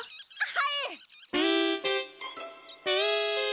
はい！